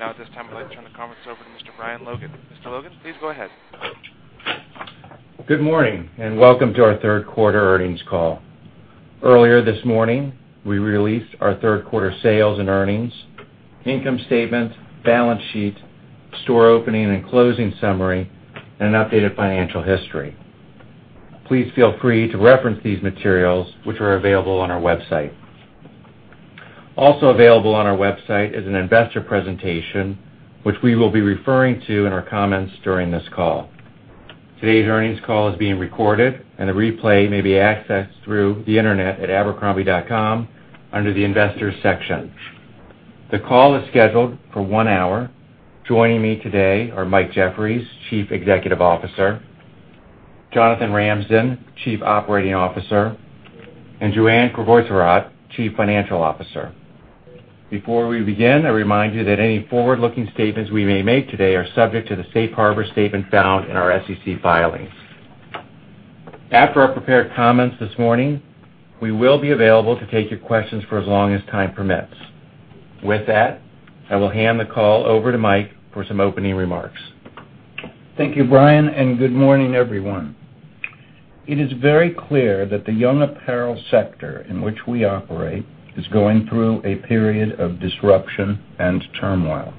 At this time I'd like to turn the conference over to Mr. Brian Logan. Mr. Logan, please go ahead. Good morning, welcome to our third quarter earnings call. Earlier this morning, we released our third quarter sales and earnings, income statement, balance sheet, store opening and closing summary, an updated financial history. Please feel free to reference these materials, which are available on our website. Also available on our website is an investor presentation, which we will be referring to in our comments during this call. Today's earnings call is being recorded, a replay may be accessed through the Internet at abercrombie.com under the Investors section. The call is scheduled for one hour. Joining me today are Mike Jeffries, Chief Executive Officer, Jonathan Ramsden, Chief Operating Officer, Joanne Crevoiserat, Chief Financial Officer. Before we begin, I remind you that any forward-looking statements we may make today are subject to the safe harbor statement found in our SEC filings. After our prepared comments this morning, we will be available to take your questions for as long as time permits. With that, I will hand the call over to Mike for some opening remarks. Thank you, Brian, good morning, everyone. It is very clear that the young apparel sector in which we operate is going through a period of disruption and turmoil.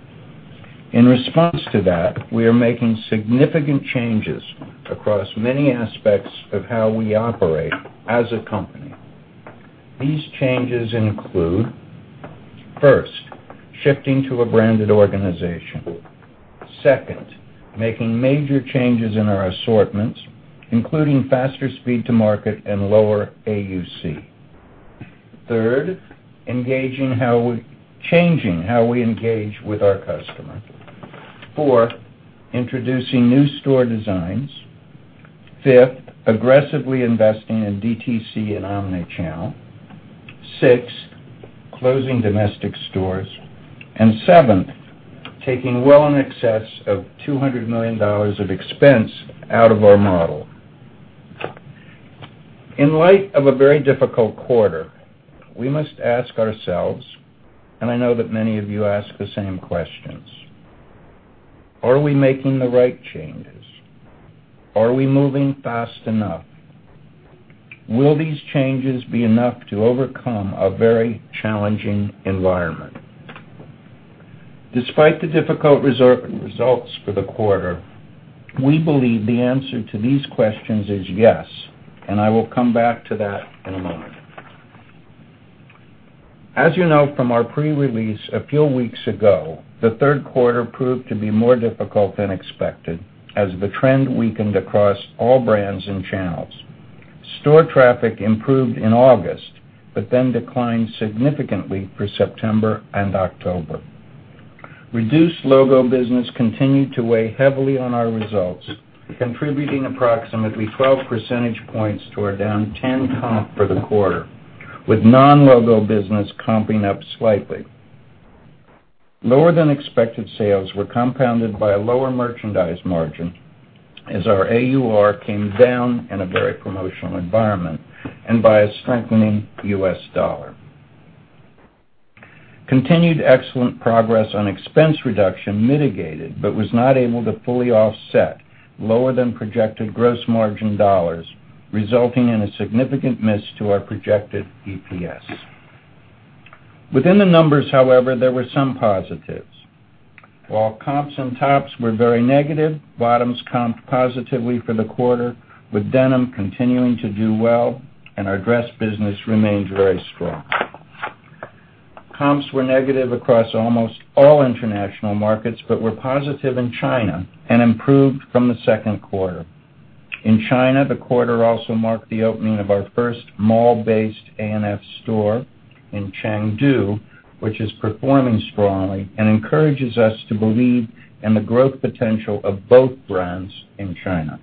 In response to that, we are making significant changes across many aspects of how we operate as a company. These changes include, first, shifting to a branded organization. Second, making major changes in our assortments, including faster speed to market and lower AUC. Third, changing how we engage with our customer. Four, introducing new store designs. Fifth, aggressively investing in DTC and omnichannel. Six, closing domestic stores, seventh, taking well in excess of $200 million of expense out of our model. In light of a very difficult quarter, we must ask ourselves, I know that many of you ask the same questions. Are we making the right changes? Are we moving fast enough? Will these changes be enough to overcome a very challenging environment? Despite the difficult results for the quarter, we believe the answer to these questions is yes, and I will come back to that in a moment. As you know from our pre-release a few weeks ago, the third quarter proved to be more difficult than expected as the trend weakened across all brands and channels. Store traffic improved in August, but then declined significantly for September and October. Reduced logo business continued to weigh heavily on our results, contributing approximately 12 percentage points to our down 10 comp for the quarter, with non-logo business comping up slightly. Lower than expected sales were compounded by a lower merchandise margin as our AUR came down in a very promotional environment and by a strengthening US dollar. Continued excellent progress on expense reduction mitigated, but was not able to fully offset lower than projected gross margin dollars, resulting in a significant miss to our projected EPS. Within the numbers, however, there were some positives. While comps and tops were very negative, bottoms comped positively for the quarter, with denim continuing to do well, and our dress business remained very strong. Comps were negative across almost all international markets but were positive in China and improved from the second quarter. In China, the quarter also marked the opening of our first mall-based A&F store in Chengdu, which is performing strongly and encourages us to believe in the growth potential of both brands in China.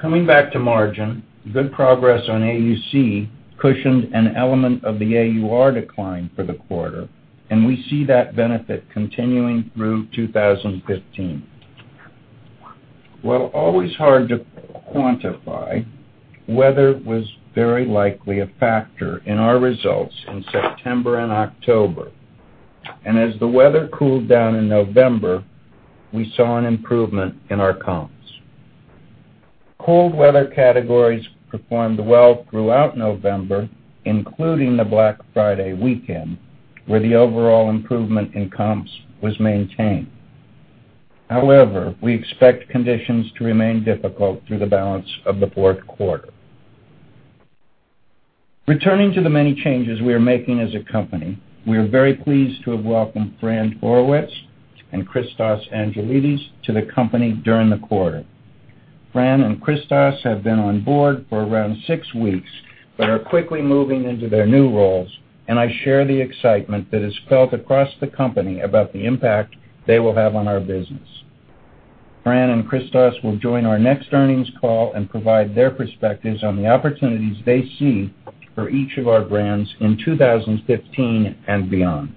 Coming back to margin, good progress on AUC cushioned an element of the AUR decline for the quarter, and we see that benefit continuing through 2015. While always hard to quantify, weather was very likely a factor in our results in September and October, and as the weather cooled down in November, we saw an improvement in our comps. Cold weather categories performed well throughout November, including the Black Friday weekend, where the overall improvement in comps was maintained. However, we expect conditions to remain difficult through the balance of the fourth quarter. Returning to the many changes we are making as a company, we are very pleased to have welcomed Fran Horowitz and Christos Angelides to the company during the quarter. Fran and Christos have been on board for around six weeks but are quickly moving into their new roles, and I share the excitement that is felt across the company about the impact they will have on our business. Fran and Christos will join our next earnings call and provide their perspectives on the opportunities they see for each of our brands in 2015 and beyond.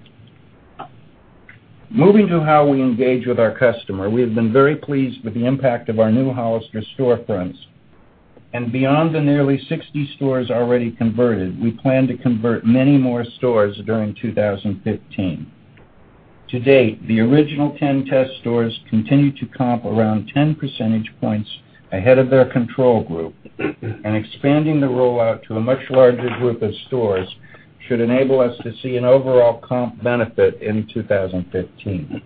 Moving to how we engage with our customer, we have been very pleased with the impact of our new Hollister storefronts. Beyond the nearly 60 stores already converted, we plan to convert many more stores during 2015. To date, the original 10 test stores continue to comp around 10 percentage points ahead of their control group, expanding the rollout to a much larger group of stores should enable us to see an overall comp benefit in 2015.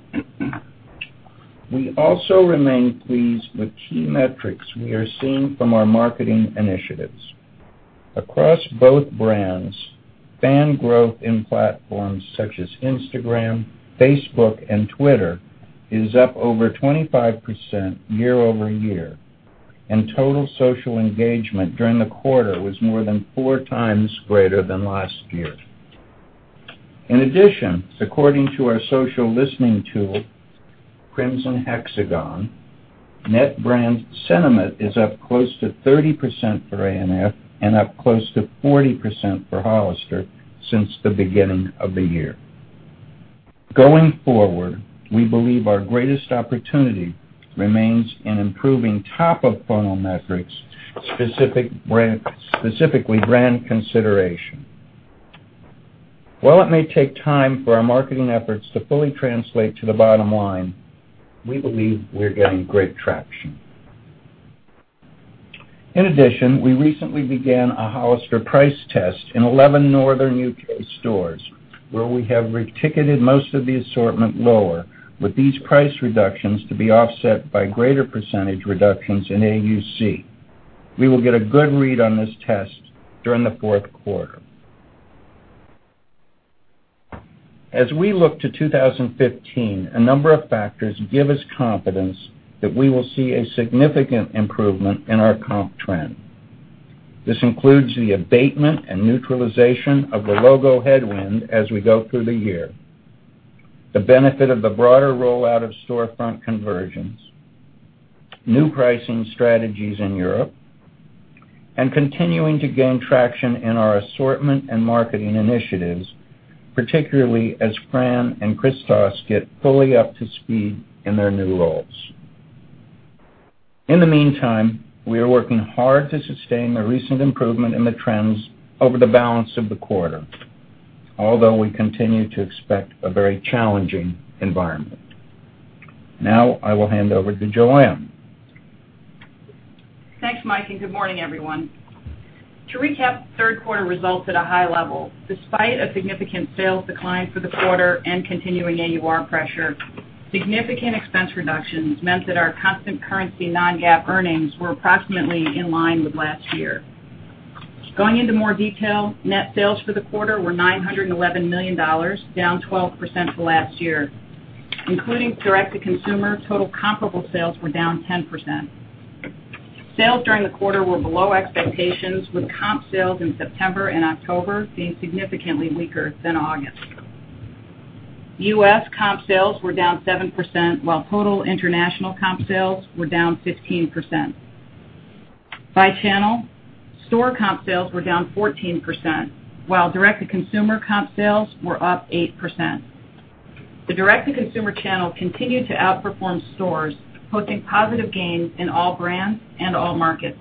We also remain pleased with key metrics we are seeing from our marketing initiatives. Across both brands, fan growth in platforms such as Instagram, Facebook, and Twitter is up over 25% year-over-year, and total social engagement during the quarter was more than four times greater than last year. In addition, according to our social listening tool, Crimson Hexagon, net brand sentiment is up close to 30% for A&F and up close to 40% for Hollister since the beginning of the year. Going forward, we believe our greatest opportunity remains in improving top-of-funnel metrics, specifically brand consideration. While it may take time for our marketing efforts to fully translate to the bottom line, we believe we are getting great traction. In addition, we recently began a Hollister price test in 11 northern U.K. stores where we have reticketed most of the assortment lower, with these price reductions to be offset by greater percentage reductions in AUC. We will get a good read on this test during the fourth quarter. As we look to 2015, a number of factors give us confidence that we will see a significant improvement in our comp trend. This includes the abatement and neutralization of the logo headwind as we go through the year, the benefit of the broader rollout of storefront conversions, new pricing strategies in Europe, and continuing to gain traction in our assortment and marketing initiatives, particularly as Fran and Christos get fully up to speed in their new roles. In the meantime, we are working hard to sustain the recent improvement in the trends over the balance of the quarter, although we continue to expect a very challenging environment. Now I will hand over to Joanne. Thanks, Mike, and good morning, everyone. To recap third quarter results at a high level, despite a significant sales decline for the quarter and continuing AUR pressure, significant expense reductions meant that our constant currency non-GAAP earnings were approximately in line with last year. Going into more detail, net sales for the quarter were $911 million, down 12% from last year. Including direct-to-consumer, total comparable sales were down 10%. Sales during the quarter were below expectations, with comp sales in September and October being significantly weaker than August. U.S. comp sales were down 7%, while total international comp sales were down 15%. By channel, store comp sales were down 14%, while direct-to-consumer comp sales were up 8%. The direct-to-consumer channel continued to outperform stores, posting positive gains in all brands and all markets.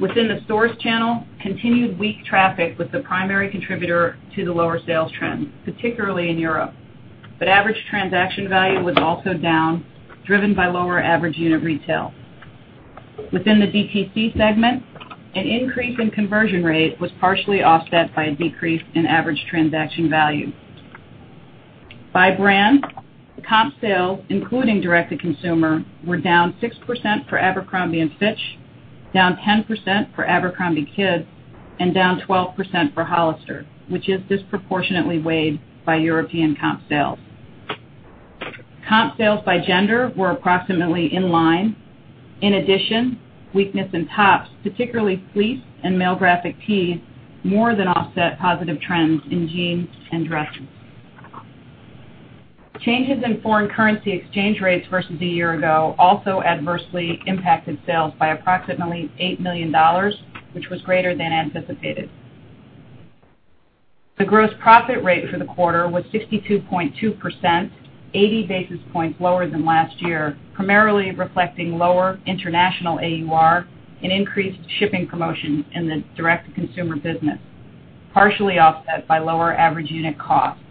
Within the stores channel, continued weak traffic was the primary contributor to the lower sales trends, particularly in Europe. Average transaction value was also down, driven by lower average unit retail. Within the DTC segment, an increase in conversion rate was partially offset by a decrease in average transaction value. By brand, comp sales, including direct-to-consumer, were down 6% for Abercrombie & Fitch, down 10% for Abercrombie Kids, and down 12% for Hollister, which is disproportionately weighed by European comp sales. Comp sales by gender were approximately in line. In addition, weakness in tops, particularly fleece and male graphic tees, more than offset positive trends in jeans and dresses. Changes in foreign currency exchange rates versus a year ago also adversely impacted sales by approximately $8 million, which was greater than anticipated. The gross profit rate for the quarter was 62.2%, 80 basis points lower than last year, primarily reflecting lower international AUR and increased shipping promotions in the direct-to-consumer business, partially offset by lower average unit costs.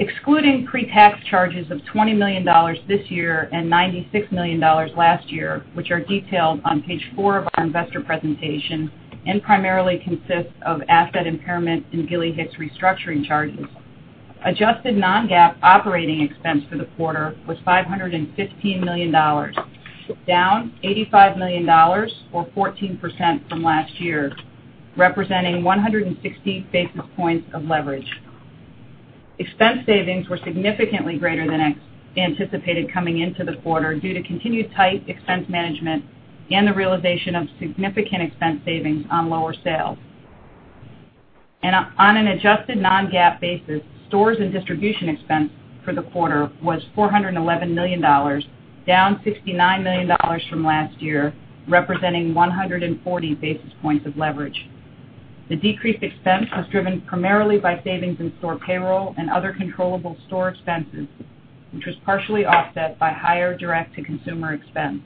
Excluding pre-tax charges of $20 million this year and $96 million last year, which are detailed on page four of our investor presentation and primarily consist of asset impairment and Gilly Hicks restructuring charges, adjusted non-GAAP operating expense for the quarter was $515 million, down $85 million or 14% from last year, representing 160 basis points of leverage. Expense savings were significantly greater than anticipated coming into the quarter due to continued tight expense management and the realization of significant expense savings on lower sales. On an adjusted non-GAAP basis, stores and distribution expense for the quarter was $411 million, down $69 million from last year, representing 140 basis points of leverage. The decreased expense was driven primarily by savings in store payroll and other controllable store expenses, which was partially offset by higher direct-to-consumer expense.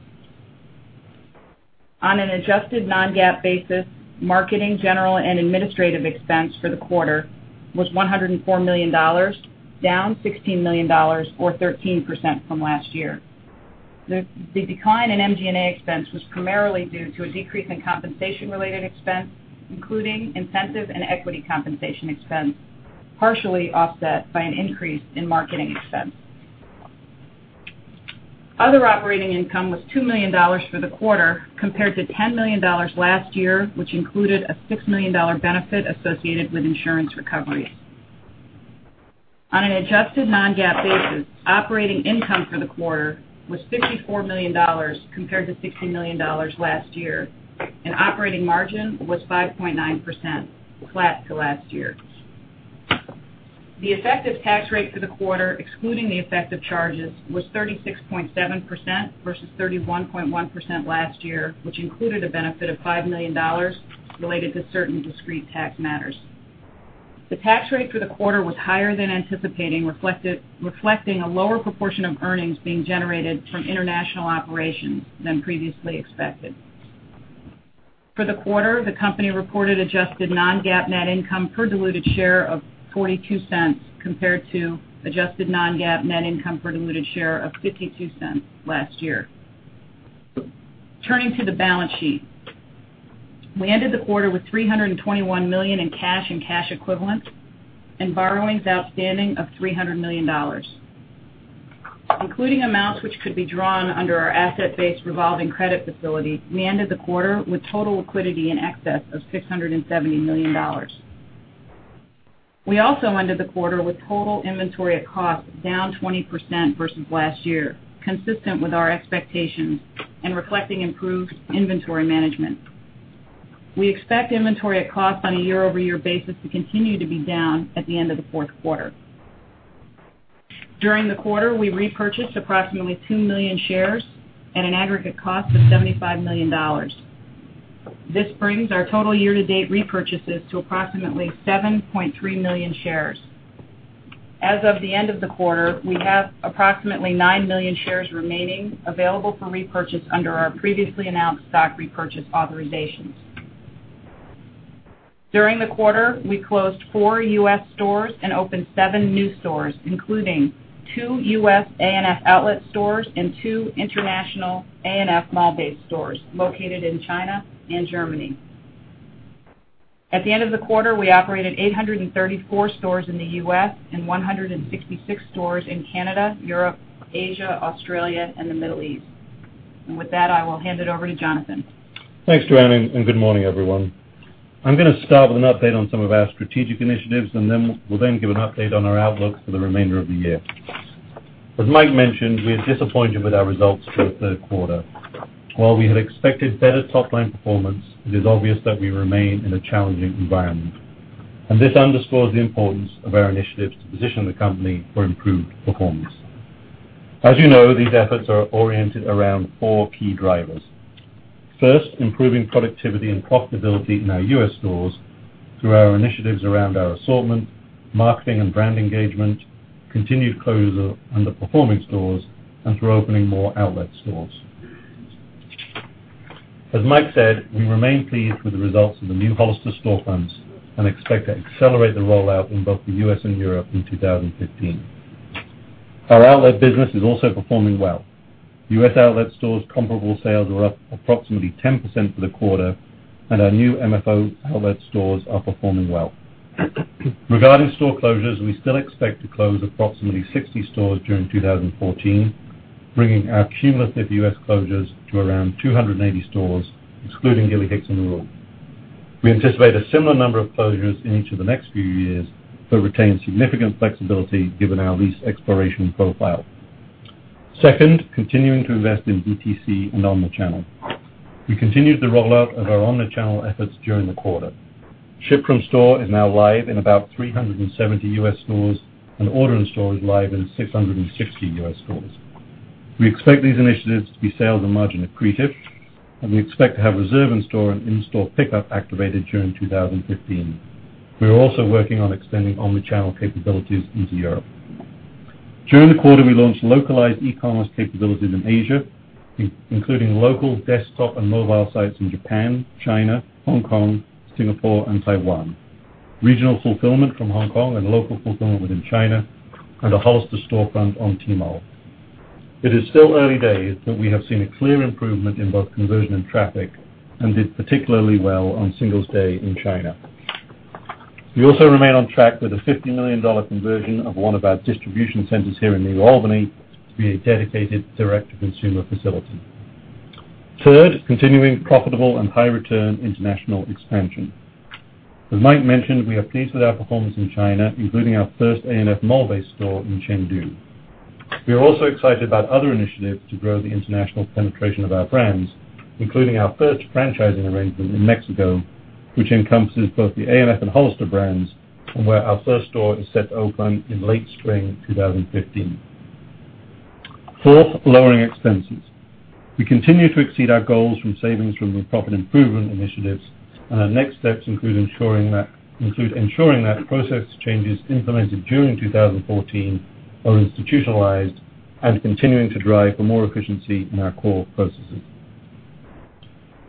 On an adjusted non-GAAP basis, marketing, general and administrative expense for the quarter was $104 million, down $16 million or 13% from last year. The decline in MG&A expense was primarily due to a decrease in compensation-related expense, including incentive and equity compensation expense, partially offset by an increase in marketing expense. Other operating income was $2 million for the quarter, compared to $10 million last year, which included a $6 million benefit associated with insurance recoveries. On an adjusted non-GAAP basis, operating income for the quarter was $54 million, compared to $60 million last year, and operating margin was 5.9%, flat to last year. The effective tax rate for the quarter, excluding the effect of charges, was 36.7% versus 31.1% last year, which included a benefit of $5 million related to certain discrete tax matters. The tax rate for the quarter was higher than anticipating, reflecting a lower proportion of earnings being generated from international operations than previously expected. For the quarter, the company reported adjusted non-GAAP net income per diluted share of $0.42, compared to adjusted non-GAAP net income per diluted share of $0.52 last year. Turning to the balance sheet. We ended the quarter with $321 million in cash and cash equivalents and borrowings outstanding of $300 million. Including amounts which could be drawn under our asset-based revolving credit facility, we ended the quarter with total liquidity in excess of $670 million. We also ended the quarter with total inventory at cost down 20% versus last year, consistent with our expectations and reflecting improved inventory management. We expect inventory at cost on a year-over-year basis to continue to be down at the end of the fourth quarter. During the quarter, we repurchased approximately two million shares at an aggregate cost of $75 million. This brings our total year-to-date repurchases to approximately 7.3 million shares. As of the end of the quarter, we have approximately nine million shares remaining available for repurchase under our previously announced stock repurchase authorizations. During the quarter, we closed four U.S. stores and opened seven new stores, including two U.S. A&F outlet stores and two international A&F mall-based stores located in China and Germany. At the end of the quarter, we operated 834 stores in the U.S. and 166 stores in Canada, Europe, Asia, Australia, and the Middle East. With that, I will hand it over to Jonathan. Thanks, Joanne, and good morning, everyone. I'm going to start with an update on some of our strategic initiatives, and will then give an update on our outlook for the remainder of the year. As Mike mentioned, we are disappointed with our results for the third quarter. While we had expected better top-line performance, it is obvious that we remain in a challenging environment. This underscores the importance of our initiatives to position the company for improved performance. As you know, these efforts are oriented around four key drivers. First, improving productivity and profitability in our U.S. stores through our initiatives around our assortment, marketing and brand engagement, continued closure of underperforming stores, and through opening more outlet stores. As Mike said, we remain pleased with the results of the new Hollister storefronts and expect to accelerate the rollout in both the U.S. and Europe in 2015. Our outlet business is also performing well. U.S. outlet stores' comparable sales were up approximately 10% for the quarter, and our new MFO outlet stores are performing well. Regarding store closures, we still expect to close approximately 60 stores during 2014, bringing our cumulative U.S. closures to around 280 stores, excluding Gilly Hicks and Ruehl. We anticipate a similar number of closures in each of the next few years, but retain significant flexibility given our lease expiration profile. Second, continuing to invest in DTC and omnichannel. We continued the rollout of our omnichannel efforts during the quarter. Ship from store is now live in about 370 U.S. stores, and order in store is live in 660 U.S. stores. We expect these initiatives to be sales and margin accretive, and we expect to have reserve in store and in-store pickup activated during 2015. We are also working on extending omnichannel capabilities into Europe. During the quarter, we launched localized e-commerce capabilities in Asia, including local desktop and mobile sites in Japan, China, Hong Kong, Singapore, and Taiwan, regional fulfillment from Hong Kong and local fulfillment within China, and a Hollister storefront on Tmall. It is still early days, but we have seen a clear improvement in both conversion and traffic and did particularly well on Singles' Day in China. We also remain on track with a $50 million conversion of one of our distribution centers here in New Albany to be a dedicated direct-to-consumer facility. Third, continuing profitable and high-return international expansion. As Mike mentioned, we are pleased with our performance in China, including our first A&F mall-based store in Chengdu. We are also excited about other initiatives to grow the international penetration of our brands, including our first franchising arrangement in Mexico, which encompasses both the A&F and Hollister brands, and where our first store is set to open in late spring 2015. Fourth, lowering expenses. We continue to exceed our goals from savings from the profit improvement initiatives, and our next steps include ensuring that process changes implemented during 2014 are institutionalized and continuing to drive for more efficiency in our core processes.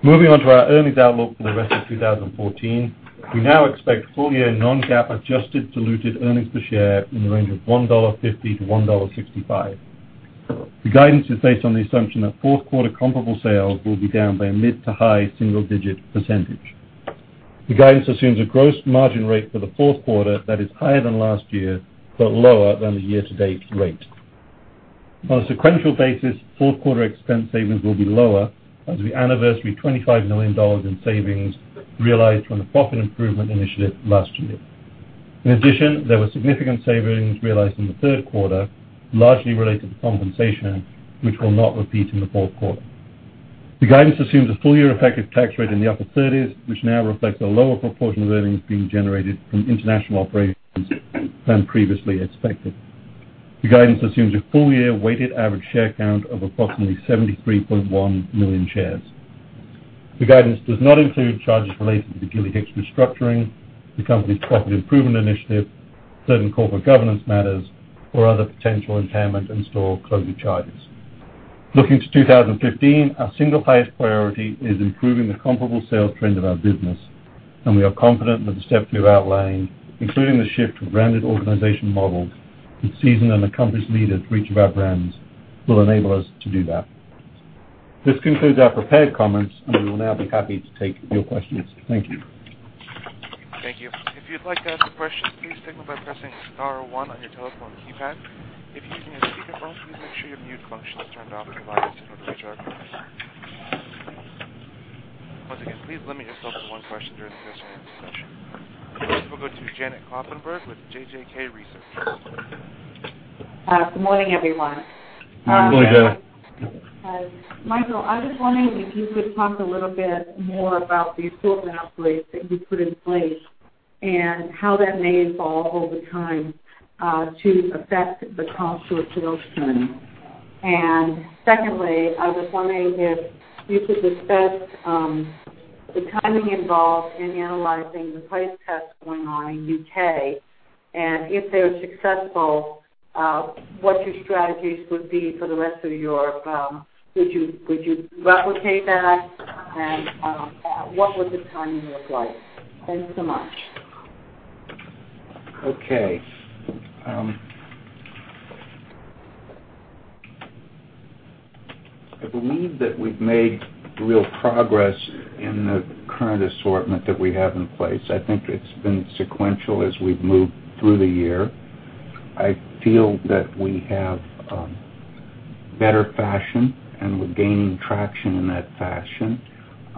Moving on to our earnings outlook for the rest of 2014. We now expect full-year non-GAAP adjusted diluted earnings per share in the range of $1.50 to $1.65. The guidance is based on the assumption that fourth quarter comparable sales will be down by a mid to high single-digit percentage. The guidance assumes a gross margin rate for the fourth quarter that is higher than last year, but lower than the year-to-date rate. On a sequential basis, fourth quarter expense savings will be lower as we anniversary $25 million in savings realized from the profit improvement initiative last year. In addition, there were significant savings realized in the third quarter, largely related to compensation, which will not repeat in the fourth quarter. The guidance assumes a full-year effective tax rate in the upper 30s, which now reflects a lower proportion of earnings being generated from international operations than previously expected. The guidance assumes a full-year weighted average share count of approximately 73.1 million shares. The guidance does not include charges related to the Gilly Hicks restructuring, the company's profit improvement initiative, certain corporate governance matters, or other potential impairment and store closing charges. Looking to 2015, our single highest priority is improving the comparable sales trend of our business. We are confident that the steps we've outlined, including the shift to branded organization models with seasoned and accomplished leaders for each of our brands, will enable us to do that. This concludes our prepared comments. We will now be happy to take your questions. Thank you. Thank you. If you'd like to ask a question, please signal by pressing star one on your telephone keypad. If you're using a speakerphone, please make sure your mute function is turned off unless you'd like to withdraw your question. Once again, please limit yourself to one question during the question and answer session. Next, we'll go to Janet Kloppenburg with JJK Research. Good morning, everyone. Good morning, Janet. Michael, I was wondering if you could talk a little bit more about the assortment upgrades that you put in place and how that may evolve over time to affect the comp store sales trend. Secondly, I was wondering if you could discuss the timing involved in analyzing the price tests going on in U.K., and if they're successful, what your strategies would be for the rest of Europe. Would you replicate that? What would the timing look like? Thanks so much. Okay. I believe that we've made real progress in the current assortment that we have in place. I think it's been sequential as we've moved through the year. I feel that we have better fashion, and we're gaining traction in that fashion.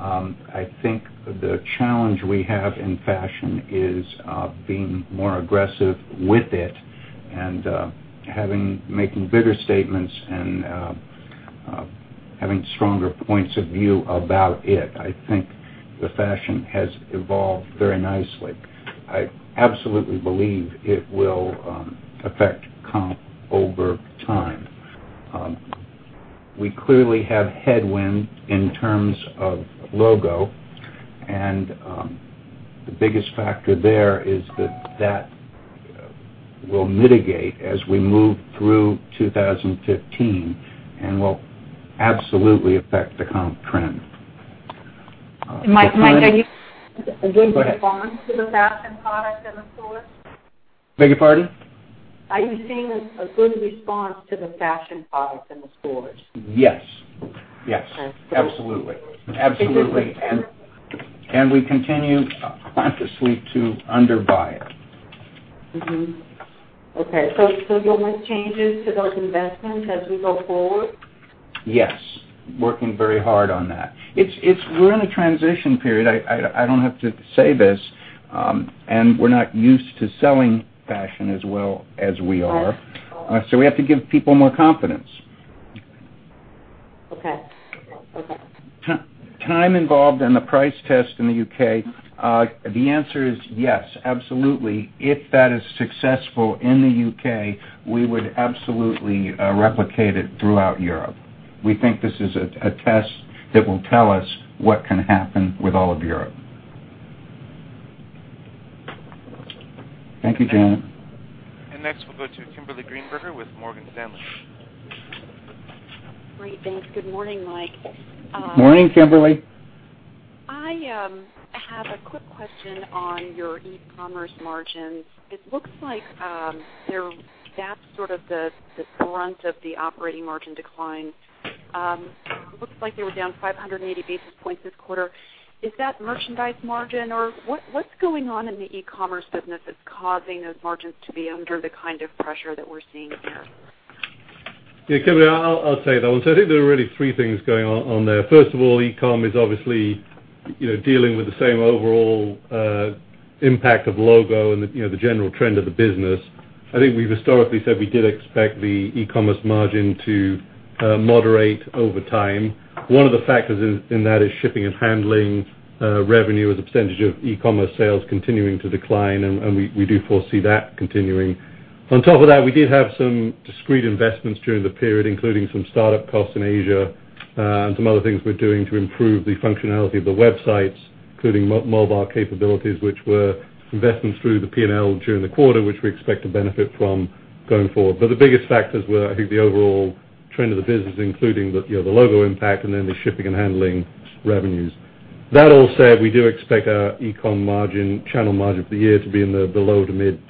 I think the challenge we have in fashion is being more aggressive with it and making bigger statements and having stronger points of view about it. I think the fashion has evolved very nicely. I absolutely believe it will affect comp over time. We clearly have headwind in terms of logo, and the biggest factor there is that that will mitigate as we move through 2015 and will absolutely affect the comp trend. Mike, are you Go ahead. seeing a good response to the fashion product in the stores? Beg your pardon? Are you seeing a good response to the fashion products in the stores? Yes. Okay. Absolutely. Is it- We continue consciously to under buy it. Okay, you'll make changes to those investments as we go forward? Yes. Working very hard on that. We're in a transition period. I don't have to say this. We're not used to selling fashion as well as we are. Right. We have to give people more confidence. Okay. Time involved in the price test in the U.K. The answer is yes, absolutely. If that is successful in the U.K., we would absolutely replicate it throughout Europe. We think this is a test that will tell us what can happen with all of Europe. Thank you, Janet. Next, we'll go to Kimberly Greenberger with Morgan Stanley. Great. Thanks. Good morning, Mike. Morning, Kimberly. I have a quick question on your e-commerce margins. It looks like that's sort of the brunt of the operating margin decline. It looks like they were down 580 basis points this quarter. Is that merchandise margin, or what's going on in the e-commerce business that's causing those margins to be under the kind of pressure that we're seeing there? Yeah, Kimberly, I'll take that one. I think there are really three things going on there. First of all, e-com is obviously dealing with the same overall impact of logo and the general trend of the business. I think we've historically said we did expect the e-commerce margin to moderate over time. One of the factors in that is shipping and handling revenue as a percentage of e-commerce sales continuing to decline, and we do foresee that continuing. On top of that, we did have some discrete investments during the period, including some startup costs in Asia and some other things we're doing to improve the functionality of the websites, including mobile capabilities, which were investments through the P&L during the quarter, which we expect to benefit from going forward. The biggest factors were, I think, the overall trend of the business, including the logo impact, and then the shipping and handling revenues. That all said, we do expect our e-com margin, channel margin for the year to be in the below to mid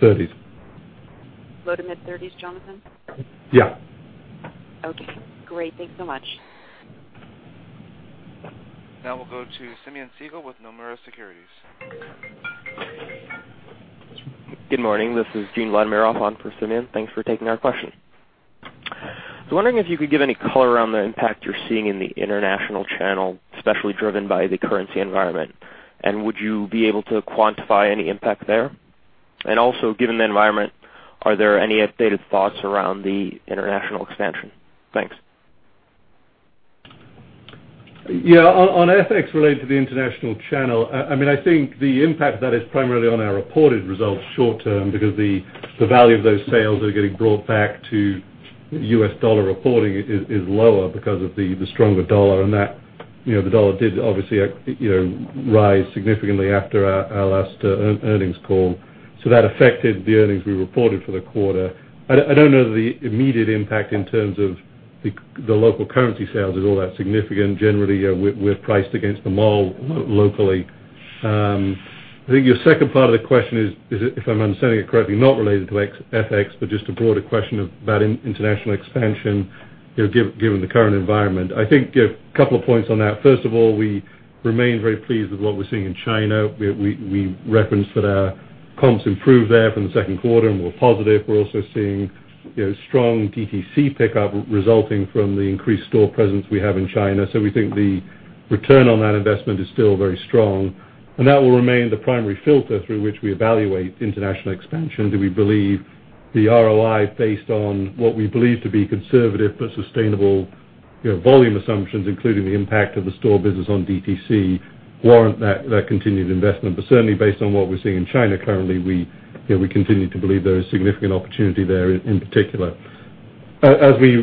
30s. Low to mid 30s, Jonathan? Yeah. Okay, great. Thanks so much. We'll go to Simeon Siegel with Nomura Securities. Good morning. This is Gene Vladimirov on for Simeon. Thanks for taking our question. I am wondering if you could give any color around the impact you are seeing in the international channel, especially driven by the currency environment. Would you be able to quantify any impact there? Also, given the environment, are there any updated thoughts around the international expansion? Thanks. Yeah. On FX related to the international channel, I think the impact of that is primarily on our reported results short term because the value of those sales that are getting brought back to U.S. dollar reporting is lower because of the stronger dollar. The dollar did obviously rise significantly after our last earnings call. That affected the earnings we reported for the quarter. I don't know that the immediate impact in terms of the local currency sales is all that significant. Generally, we are priced against the mall locally. I think your second part of the question is, if I am understanding it correctly, not related to FX, but just a broader question about international expansion, given the current environment. I think, couple of points on that. First of all, we remain very pleased with what we are seeing in China. We referenced that our comps improved there from the second quarter and were positive. We are also seeing strong DTC pickup resulting from the increased store presence we have in China. We think the return on that investment is still very strong, and that will remain the primary filter through which we evaluate international expansion. Do we believe the ROI based on what we believe to be conservative but sustainable volume assumptions, including the impact of the store business on DTC, warrant that continued investment? Certainly based on what we are seeing in China currently, we continue to believe there is significant opportunity there in particular. As we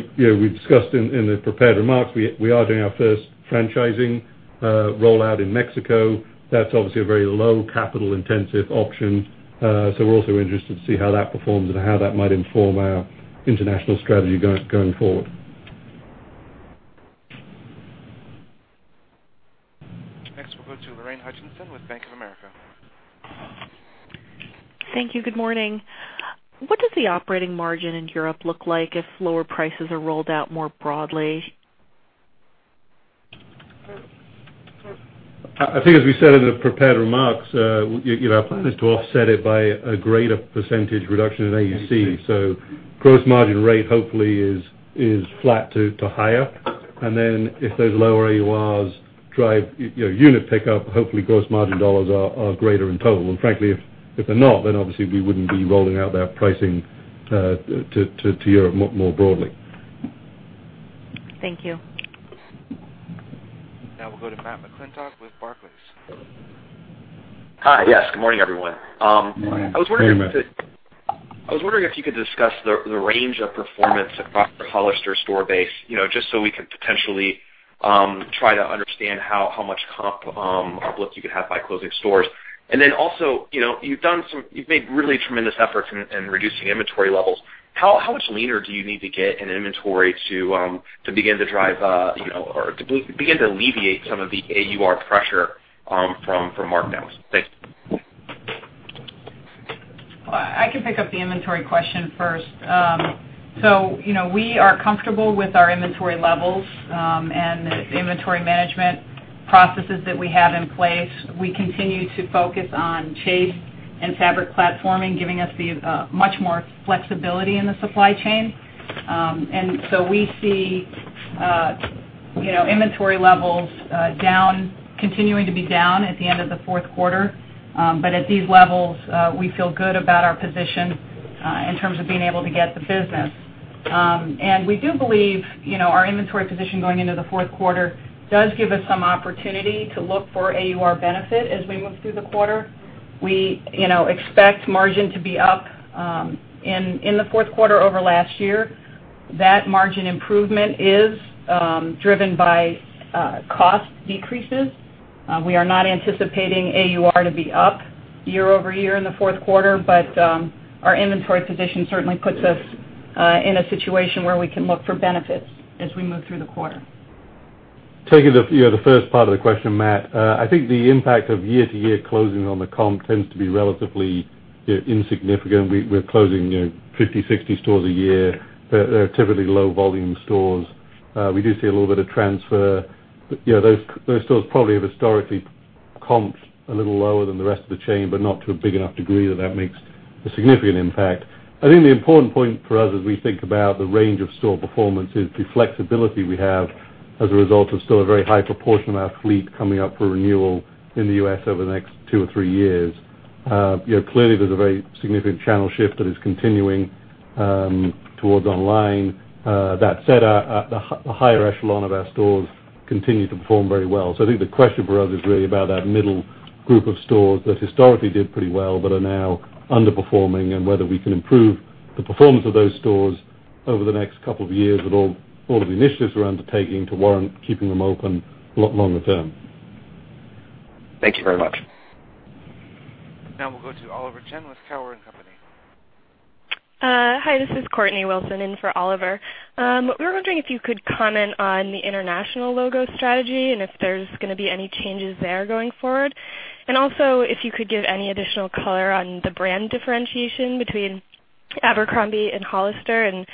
discussed in the prepared remarks, we are doing our first franchising rollout in Mexico. That is obviously a very low capital-intensive option. We are also interested to see how that performs and how that might inform our international strategy going forward. Next, we will go to Lorraine Hutchinson with Bank of America. Thank you. Good morning. What does the operating margin in Europe look like if lower prices are rolled out more broadly? I think as we said in the prepared remarks, our plan is to offset it by a greater percentage reduction in AUC. Gross margin rate hopefully is flat to higher. If those lower AURs drive unit pickup, hopefully gross margin dollars are greater in total. If they're not, then obviously we wouldn't be rolling out that pricing to Europe more broadly. Thank you. Now we'll go to Matthew McClintock with Barclays. Hi. Yes, good morning, everyone. Morning, Matt. I was wondering if you could discuss the range of performance across the Hollister store base, just so we can potentially try to understand how much comp uplift you could have by closing stores. Also, you've made really tremendous efforts in reducing inventory levels. How much leaner do you need to get in inventory to begin to alleviate some of the AUR pressure from markdowns? Thanks. I can pick up the inventory question first. We are comfortable with our inventory levels, and the inventory management processes that we have in place. We continue to focus on chase and fabric platforming, giving us much more flexibility in the supply chain. We see inventory levels continuing to be down at the end of the fourth quarter. At these levels, we feel good about our position in terms of being able to get the business. We do believe our inventory position going into the fourth quarter does give us some opportunity to look for AUR benefit as we move through the quarter. We expect margin to be up in the fourth quarter over last year. That margin improvement is driven by cost decreases. We are not anticipating AUR to be up year-over-year in the fourth quarter. Our inventory position certainly puts us in a situation where we can look for benefits as we move through the quarter. Taking the first part of the question, Matt, I think the impact of year-to-year closings on the comp tends to be relatively insignificant. We're closing 50, 60 stores a year. They're typically low volume stores. We do see a little bit of transfer. Those stores probably have historically comped a little lower than the rest of the chain, but not to a big enough degree that that makes a significant impact. I think the important point for us as we think about the range of store performance is the flexibility we have as a result of still a very high proportion of our fleet coming up for renewal in the U.S. over the next two or three years. There's a very significant channel shift that is continuing towards online. The higher echelon of our stores continue to perform very well. I think the question for us is really about that middle group of stores that historically did pretty well but are now underperforming, and whether we can improve the performance of those stores over the next couple of years with all of the initiatives we're undertaking to warrant keeping them open a lot longer term. Thank you very much. Now we'll go to Oliver Chen with Cowen and Company. Hi, this is Courtney Wilson in for Oliver. We were wondering if you could comment on the international logo strategy, and if there's going to be any changes there going forward. Also, if you could give any additional color on the brand differentiation between Abercrombie and Hollister, and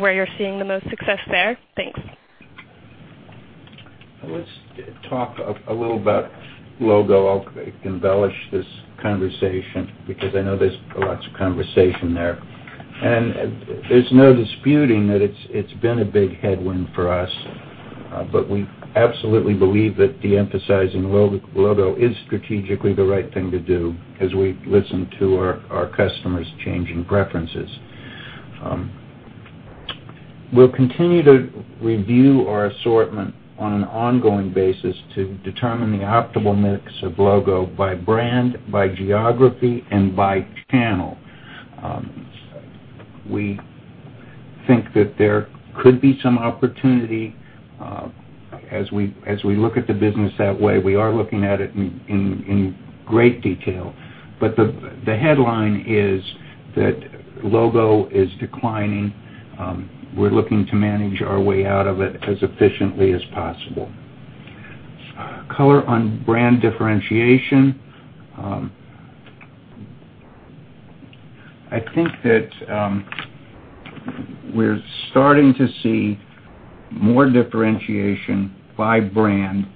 where you're seeing the most success there. Thanks. Let's talk a little about logo. I'll embellish this conversation because I know there's lots of conversation there. There's no disputing that it's been a big headwind for us. We absolutely believe that de-emphasizing the logo is strategically the right thing to do as we listen to our customers' changing preferences. We'll continue to review our assortment on an ongoing basis to determine the optimal mix of logo by brand, by geography, and by channel. We think that there could be some opportunity as we look at the business that way. We are looking at it in great detail. The headline is that logo is declining. We're looking to manage our way out of it as efficiently as possible. Color on brand differentiation. I think that we're starting to see more differentiation by brand,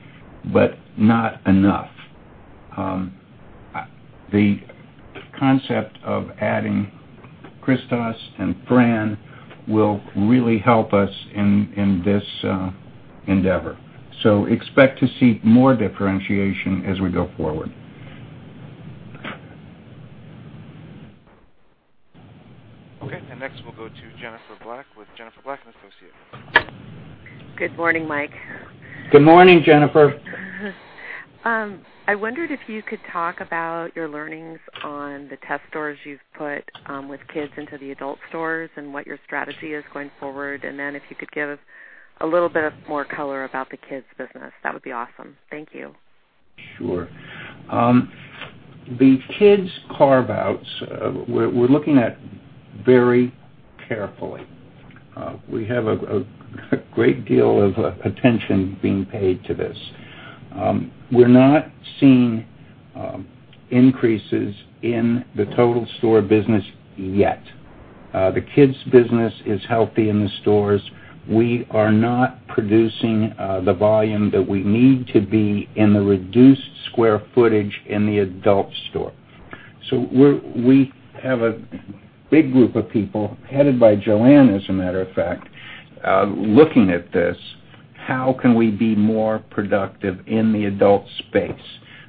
but not enough. The concept of adding Christos and Fran will really help us in this endeavor. Expect to see more differentiation as we go forward. Okay. Next, we'll go to Jennifer Black with Jennifer Black & Associates. Good morning, Mike. Good morning, Jennifer. I wondered if you could talk about your learnings on the test stores you've put with abercrombie kids into the adult stores, and what your strategy is going forward. Then if you could give a little bit of more color about the abercrombie kids business, that would be awesome. Thank you. Sure. The Kids carve-outs, we're looking at very carefully. We have a great deal of attention being paid to this. We're not seeing increases in the total store business yet. The Kids business is healthy in the stores. We are not producing the volume that we need to be in the reduced square footage in the adult store. We have a big group of people, headed by Joanne, as a matter of fact, looking at this. How can we be more productive in the adult space?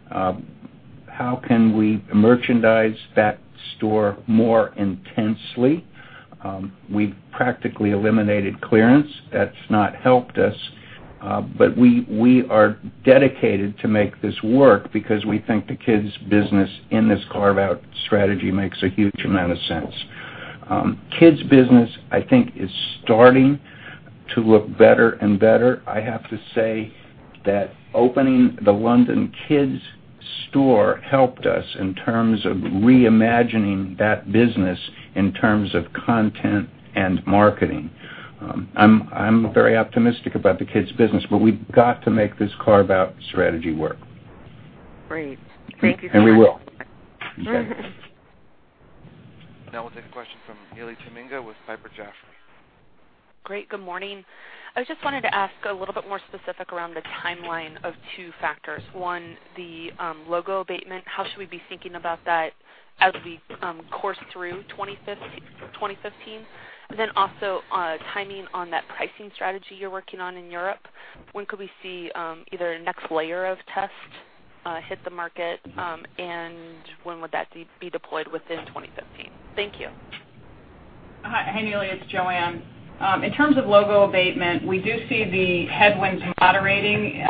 How can we merchandise that store more intensely? We've practically eliminated clearance. That's not helped us. We are dedicated to make this work because we think the Kids business in this carve-out strategy makes a huge amount of sense. Kids business, I think, is starting to look better and better. I have to say that opening the London Kids store helped us in terms of reimagining that business in terms of content and marketing. I'm very optimistic about the Kids business, but we've got to make this carve-out strategy work. Great. Thank you for that. We will. Okay. Now we'll take a question from Neely Tamminga with Piper Jaffray. Great. Good morning. I just wanted to ask a little bit more specific around the timeline of two factors. One, the logo abatement, how should we be thinking about that as we course through 2015? Then also, timing on that pricing strategy you're working on in Europe. When could we see either a next layer of tests hit the market? And when would that be deployed within 2015? Thank you. Hi, Neely. It's Joanne. In terms of logo abatement, we do see the headwinds moderating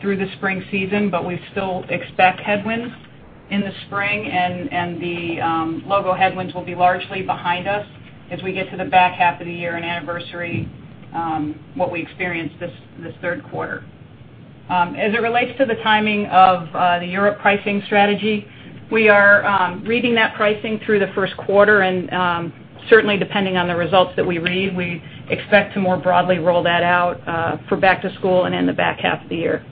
through the spring season, but we still expect headwinds in the spring, and the logo headwinds will be largely behind us as we get to the back half of the year and anniversary what we experienced this third quarter. As it relates to the timing of the Europe pricing strategy, we are reading that pricing through the first quarter, and certainly depending on the results that we read, we expect to more broadly roll that out for back to school and in the back half of the year.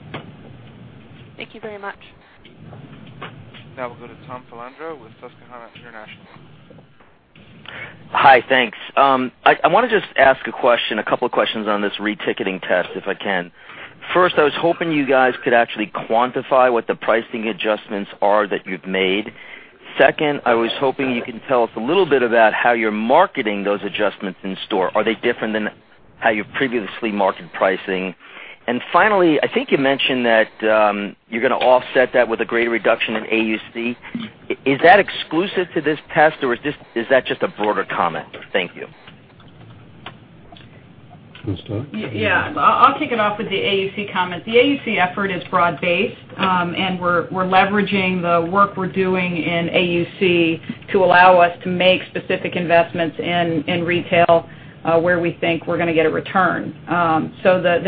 Thank you very much. We'll go to Tom Filandro with Susquehanna International. Hi. Thanks. I want to just ask a couple of questions on this reticketing test, if I can. First, I was hoping you guys could actually quantify what the pricing adjustments are that you've made. Second, I was hoping you can tell us a little bit about how you're marketing those adjustments in store. Are they different than how you've previously marketed pricing? Finally, I think you mentioned that you're going to offset that with a greater reduction in AUC. Is that exclusive to this test, or is that just a broader comment? Thank you. Want to start? Yeah. I'll kick it off with the AUC comment. The AUC effort is broad-based, and we're leveraging the work we're doing in AUC to allow us to make specific investments in retail, where we think we're going to get a return. The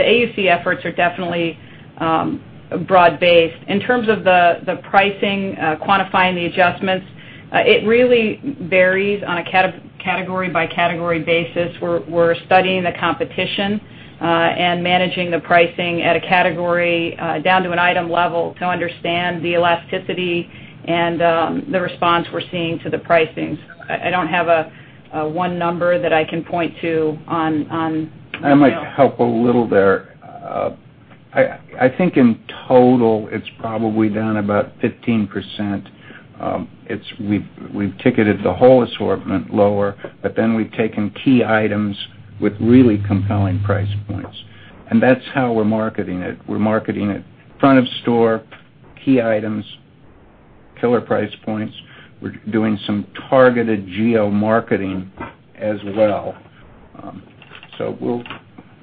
AUC efforts are definitely broad-based. In terms of the pricing, quantifying the adjustments, it really varies on a category-by-category basis. We're studying the competition, and managing the pricing at a category down to an item level to understand the elasticity and the response we're seeing to the pricing. I don't have one number that I can point to on- I might help a little there. I think in total it's probably down about 15%. We've ticketed the whole assortment lower. We've taken key items with really compelling price points. That's how we're marketing it. We're marketing it front of store, key items, killer price points. We're doing some targeted geo-marketing as well.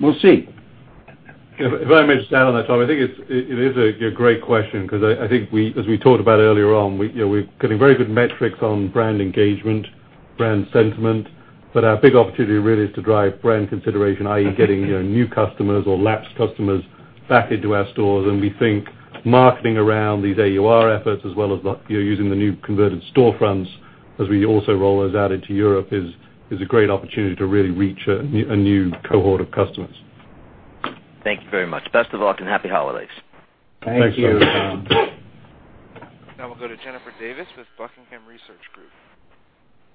We'll see. If I may just add on that, Tom, I think it is a great question because I think as we talked about earlier on, we're getting very good metrics on brand engagement, brand sentiment. Our big opportunity really is to drive brand consideration, i.e., getting new customers or lapsed customers back into our stores. We think marketing around these AUR efforts as well as using the new converted storefronts, as we also roll those out into Europe, is a great opportunity to really reach a new cohort of customers. Thank you very much. Best of luck and happy holidays. Thank you. Thanks. Now we'll go to Jennifer Davis with Buckingham Research Group.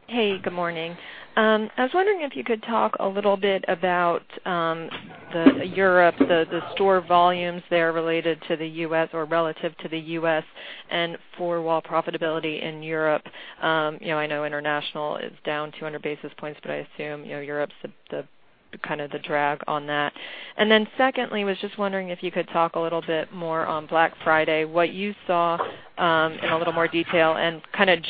Hey, good morning. I was wondering if you could talk a little bit about Europe, the store volumes there related to the U.S. or relative to the U.S. and overall profitability in Europe. I know international is down 200 basis points, I assume Europe's the drag on that. Secondly, was just wondering if you could talk a little bit more on Black Friday, what you saw in a little more detail and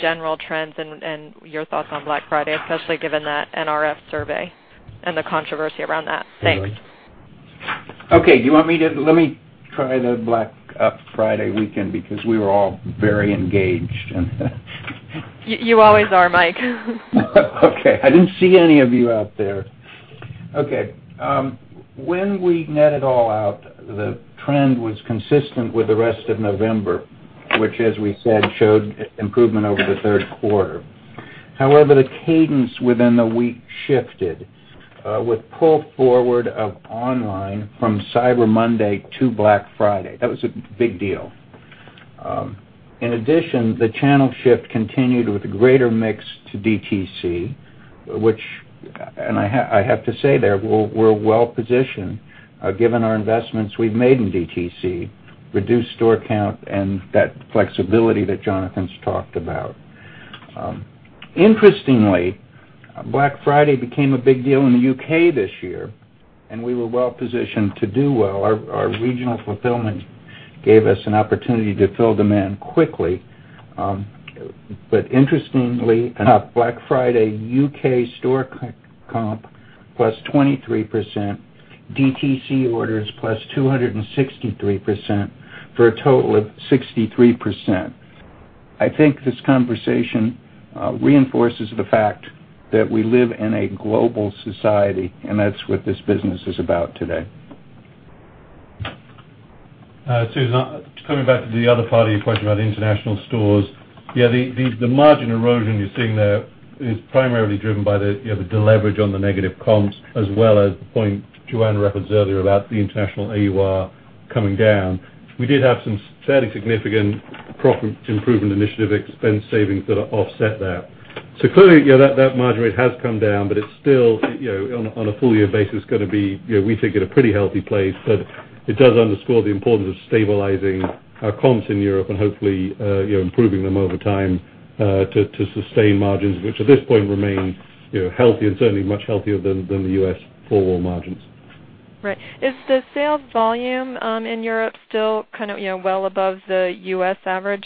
general trends and your thoughts on Black Friday, especially given that NRF survey and the controversy around that. Thanks. Okay. Let me try the Black Friday weekend because we were all very engaged. You always are, Mike. Okay. I didn't see any of you out there. Okay. When we net it all out, the trend was consistent with the rest of November, which, as we said, showed improvement over the third quarter. The cadence within the week shifted, with pull forward of online from Cyber Monday to Black Friday. That was a big deal. The channel shift continued with greater mix to DTC, which, and I have to say there, we're well-positioned, given our investments we've made in DTC, reduced store count, and that flexibility that Jonathan's talked about. Black Friday became a big deal in the U.K. this year, and we were well-positioned to do well. Our regional fulfillment gave us an opportunity to fill demand quickly. Black Friday U.K. store comp +23%, DTC orders +263%, for a total of +63%. I think this conversation reinforces the fact that we live in a global society, and that's what this business is about today. Susan, coming back to the other part of your question about international stores. The margin erosion you're seeing there is primarily driven by the deleverage on the negative comps as well as the point Joanne referenced earlier about the international AUR coming down. We did have some fairly significant profit improvement initiative expense savings that offset that. Clearly, that margin rate has come down, it's still, on a full year basis, going to be, we think, at a pretty healthy place. It does underscore the importance of stabilizing our comps in Europe and hopefully improving them over time to sustain margins, which at this point remain healthy and certainly much healthier than the U.S. full year margins. Right. Is the sales volume in Europe still well above the U.S. average?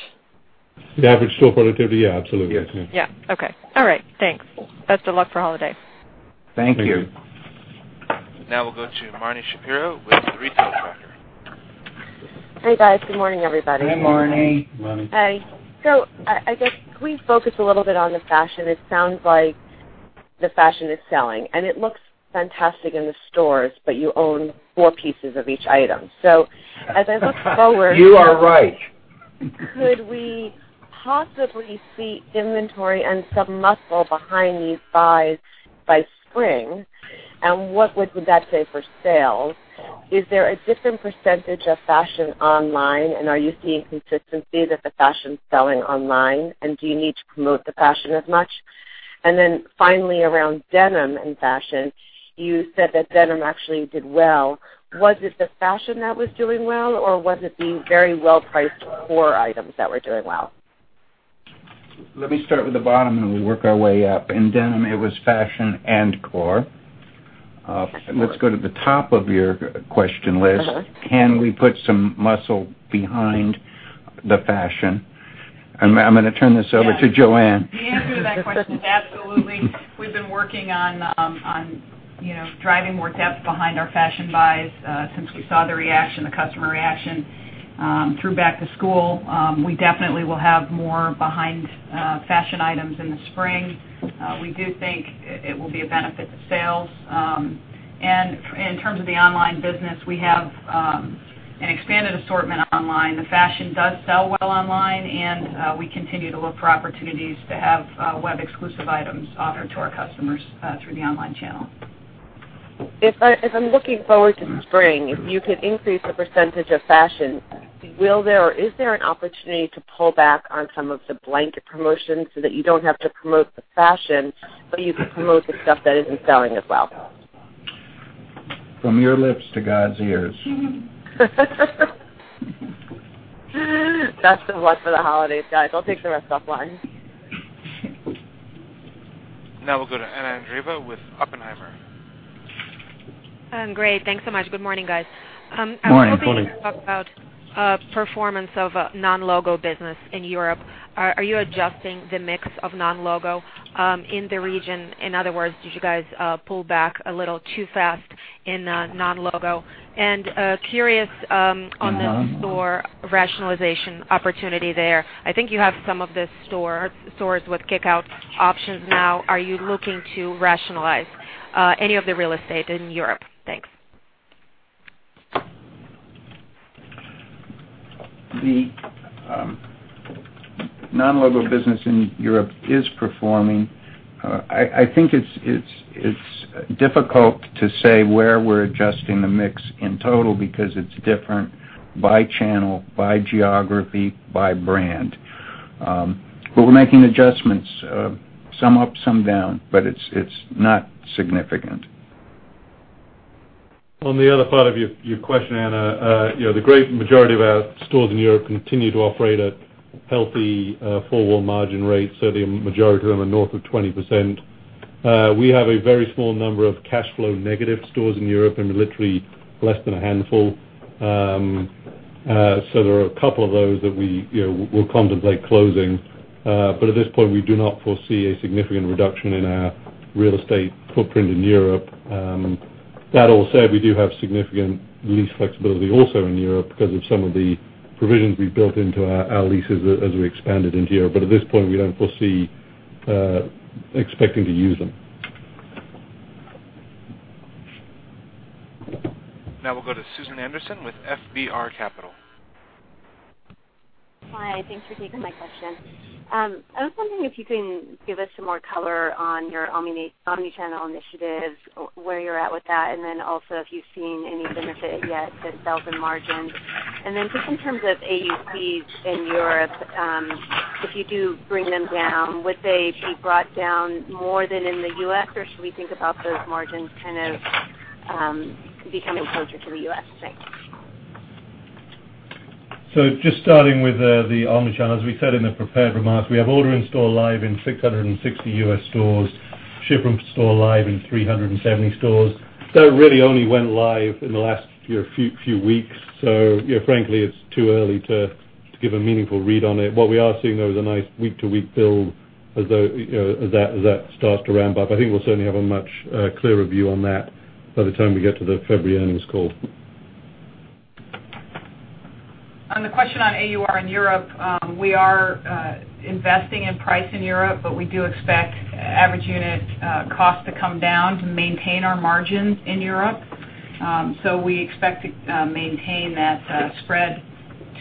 The average store productivity? Yeah, absolutely. Yeah. Okay. All right. Thanks. Best of luck for holiday. Thank you. Thank you. We'll go to Marni Shapiro with The Retail Tracker. Hey, guys. Good morning, everybody. Hi, Marni. Marni. Hi. I guess can we focus a little bit on the fashion? It sounds like the fashion is selling, and it looks fantastic in the stores, but you own four pieces of each item. You are right. Could we possibly see inventory and some muscle behind these buys by spring? What would that say for sales? Is there a different percentage of fashion online, are you seeing consistency that the fashion's selling online, and do you need to promote the fashion as much? Finally, around denim and fashion, you said that denim actually did well. Was it the fashion that was doing well, or was it the very well-priced core items that were doing well? Let me start with the bottom. We work our way up. In denim, it was fashion and core. Let's go to the top of your question list. Can we put some muscle behind the fashion? I'm gonna turn this over to Joanne. The answer to that question is absolutely. We've been working on driving more depth behind our fashion buys since we saw the customer reaction through back to school, we definitely will have more behind fashion items in the spring. We do think it will be a benefit to sales. In terms of the online business, we have an expanded assortment online. The fashion does sell well online, and we continue to look for opportunities to have web-exclusive items offered to our customers through the online channel. If I'm looking forward to spring, if you could increase the percentage of fashion, will there or is there an opportunity to pull back on some of the blanket promotions so that you don't have to promote the fashion, but you can promote the stuff that isn't selling as well? From your lips to God's ears. Best of luck for the holidays, guys. I'll take the rest offline. Now we'll go to Anna Andreeva with Oppenheimer. Great. Thanks so much. Good morning, guys. Good morning. I was hoping you could talk about performance of non-logo business in Europe. Are you adjusting the mix of non-logo in the region? In other words, did you guys pull back a little too fast in non-logo? Curious on the store rationalization opportunity there. I think you have some of the stores with kick-out options now. Are you looking to rationalize any of the real estate in Europe? Thanks. The non-logo business in Europe is performing. I think it's difficult to say where we're adjusting the mix in total because it's different by channel, by geography, by brand. We're making adjustments, some up, some down, but it's not significant. On the other part of your question, Anna, the great majority of our stores in Europe continue to operate at healthy full well margin rates. The majority are in the north of 20%. We have a very small number of cash flow negative stores in Europe and literally less than a handful. There are a couple of those that we'll contemplate closing. At this point, we do not foresee a significant reduction in our real estate footprint in Europe. That all said, we do have significant lease flexibility also in Europe because of some of the provisions we built into our leases as we expanded into Europe. At this point, we don't foresee expecting to use them. We'll go to Susan Anderson with FBR Capital. Hi, thanks for taking my question. I was wondering if you can give us some more color on your omni-channel initiatives, where you're at with that, and then also if you've seen any benefit yet to sales and margins. Just in terms of AUCs in Europe, if you do bring them down, would they be brought down more than in the U.S., or should we think about those margins kind of becoming closer to the U.S.? Thanks. Just starting with the omni-channel, as we said in the prepared remarks, we have order in-store live in 660 U.S. stores, ship from store live in 370 stores. It really only went live in the last few weeks. Frankly, it's too early to give a meaningful read on it. What we are seeing, though, is a nice week-to-week build as that starts to ramp up. I think we'll certainly have a much clearer view on that by the time we get to the February earnings call. On the question on AUR in Europe, we are investing in price in Europe, but we do expect average unit cost to come down to maintain our margins in Europe. We expect to maintain that spread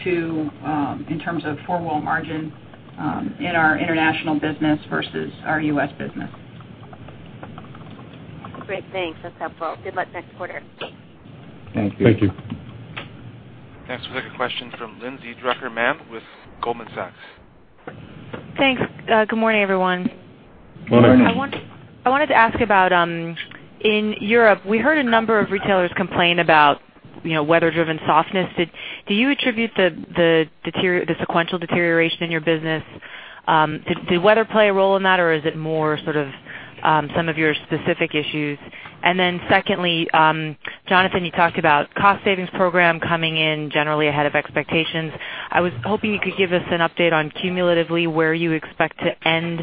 in terms of overall margin in our international business versus our U.S. business. Great. Thanks. That's helpful. Good luck next quarter. Thank you. Thank you. Next, we'll take a question from Lindsay Drucker Mann with Goldman Sachs. Thanks. Good morning, everyone. Morning. I wanted to ask about in Europe, we heard a number of retailers complain about weather-driven softness. Do you attribute the sequential deterioration in your business, did weather play a role in that, or is it more sort of some of your specific issues? Secondly, Jonathan, you talked about cost savings program coming in generally ahead of expectations. I was hoping you could give us an update on cumulatively where you expect to end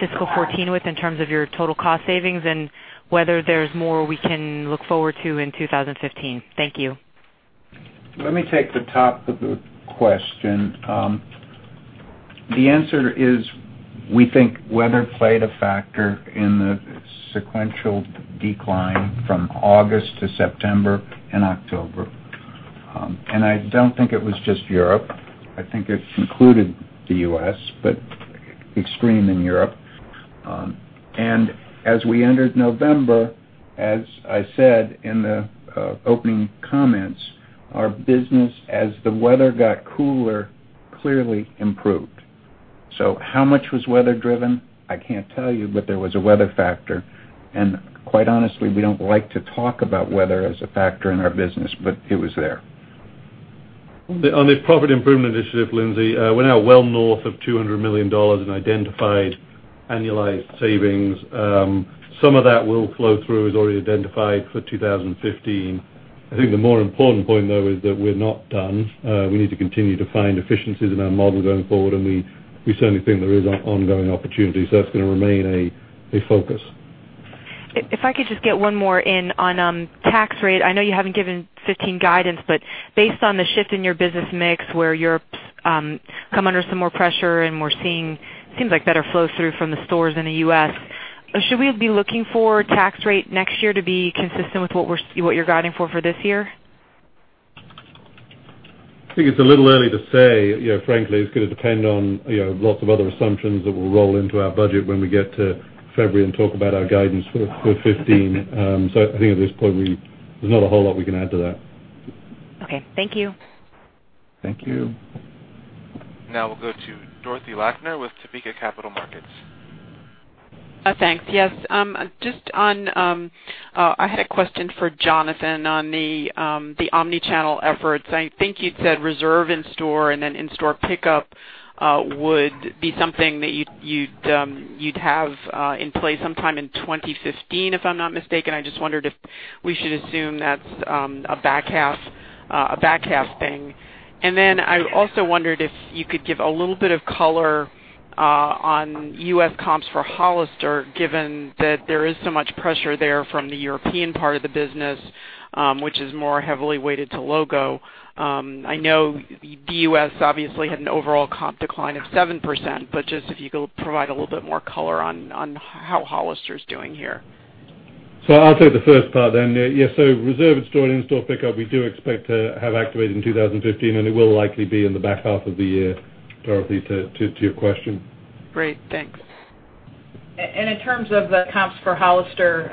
fiscal 2014 with in terms of your total cost savings and whether there's more we can look forward to in 2015. Thank you. Let me take the top of the question. The answer is, we think weather played a factor in the sequential decline from August to September and October. I don't think it was just Europe. I think it included the U.S., but extreme in Europe. As we entered November, as I said in the opening comments, our business as the weather got cooler, clearly improved. How much was weather driven? I can't tell you, but there was a weather factor. Quite honestly, we don't like to talk about weather as a factor in our business, but it was there. On the profit improvement initiative, Lindsay, we're now well north of $200 million in identified annualized savings. Some of that will flow through, is already identified for 2015. I think the more important point, though, is that we're not done. We need to continue to find efficiencies in our model going forward, and we certainly think there is ongoing opportunity. That's going to remain a focus. If I could just get one more in on tax rate. I know you haven't given 2015 guidance, but based on the shift in your business mix where Europe's come under some more pressure and we're seeing seems like better flow-through from the stores in the U.S. Should we be looking for tax rate next year to be consistent with what you're guiding for this year? I think it's a little early to say. Frankly, it's going to depend on lots of other assumptions that will roll into our budget when we get to February and talk about our guidance for 2015. I think at this point, there's not a whole lot we can add to that. Okay. Thank you. Thank you. We'll go to Dorothy Lakner with Topeka Capital Markets. Thanks. Yes. I had a question for Jonathan on the omnichannel efforts. I think you'd said reserve in-store and then in-store pickup would be something that you'd have in place sometime in 2015, if I'm not mistaken. I just wondered if we should assume that's a back-half thing. I also wondered if you could give a little bit of color on U.S. comps for Hollister, given that there is so much pressure there from the European part of the business, which is more heavily weighted to Logo. I know the U.S. obviously had an overall comp decline of 7%, just if you could provide a little bit more color on how Hollister is doing here. I'll take the first part then. Yeah, reserve in store and in-store pickup, we do expect to have activated in 2015, and it will likely be in the back half of the year, Dorothy, to your question. Great. Thanks. In terms of the comps for Hollister,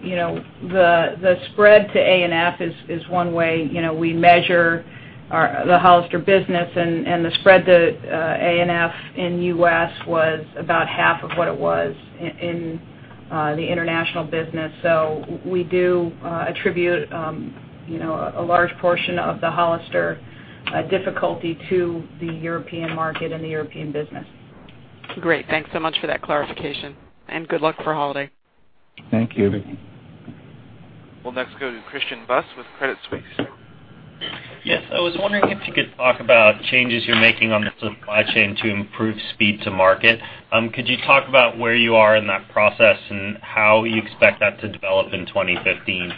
the spread to A&F is one way we measure the Hollister business, and the spread to A&F in U.S. was about half of what it was in the international business. We do attribute a large portion of the Hollister difficulty to the European market and the European business. Great. Thanks so much for that clarification, good luck for holiday. Thank you. We'll next go to Christian Buss with Credit Suisse. Yes. I was wondering if you could talk about changes you're making on the supply chain to improve speed to market. Could you talk about where you are in that process and how you expect that to develop in 2015?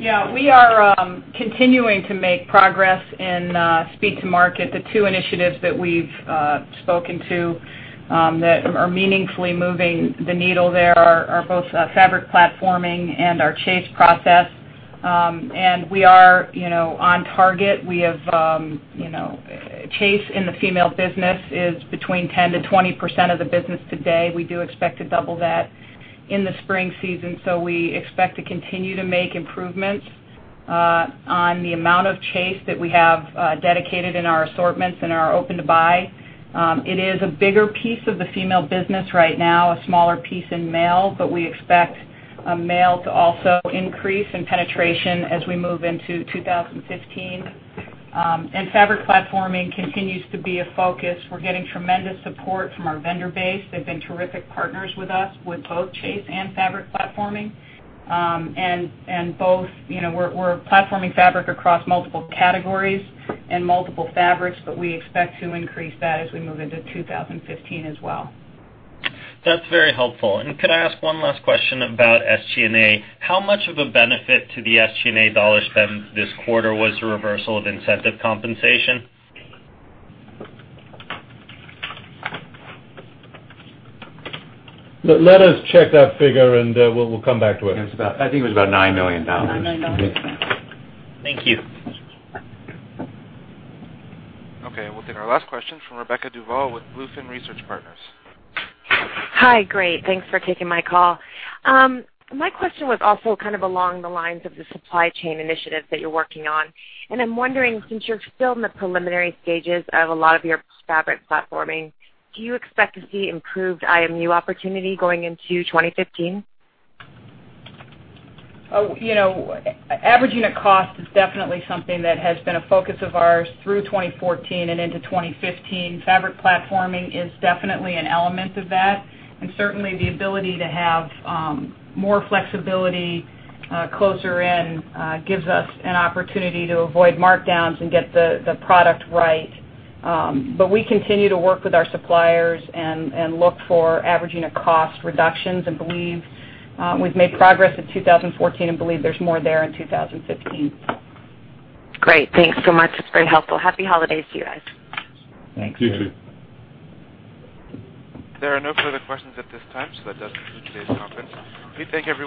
Yeah. We are continuing to make progress in speed to market. The two initiatives that we've spoken to that are meaningfully moving the needle there are both fabric platforming and our chase process. We are on target. Chase in the female business is between 10%-20% of the business today. We do expect to double that in the spring season. We expect to continue to make improvements on the amount of chase that we have dedicated in our assortments and are open to buy. It is a bigger piece of the female business right now, a smaller piece in male, we expect a male to also increase in penetration as we move into 2015. Fabric platforming continues to be a focus. We're getting tremendous support from our vendor base. They've been terrific partners with us with both chase and fabric platforming. We're platforming fabric across multiple categories and multiple fabrics. We expect to increase that as we move into 2015 as well. That's very helpful. Could I ask one last question about SG&A? How much of a benefit to the SG&A dollar spend this quarter was the reversal of incentive compensation? Let us check that figure. We'll come back to it. I think it was about $9 million. $9 million. Thank you. Okay, we'll take our last question from Rebecca Duval with Bluefin Research Partners. Hi. Great. Thanks for taking my call. My question was also along the lines of the supply chain initiative that you're working on, and I'm wondering, since you're still in the preliminary stages of a lot of your fabric platforming, do you expect to see improved IMU opportunity going into 2015? Average unit cost is definitely something that has been a focus of ours through 2014 and into 2015. Fabric platforming is definitely an element of that, and certainly the ability to have more flexibility closer in gives us an opportunity to avoid markdowns and get the product right. We continue to work with our suppliers and look for averaging of cost reductions, and believe we've made progress in 2014 and believe there's more there in 2015. Great. Thanks so much. It's very helpful. Happy holidays to you guys. Thanks. You too. There are no further questions at this time. That does conclude today's conference. We thank everyone